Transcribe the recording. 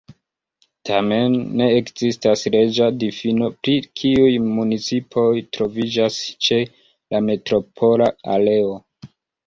Tamen, ne ekzistas leĝa difino pri kiuj municipoj troviĝas ĉe la metropola areo.